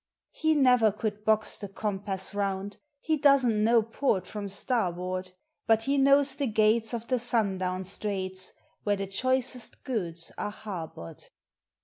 He never could box tbe compass round; He does n't know port from starboard ; But he knows the gates of the Sundown Straits, Where the choicest goods are harbored.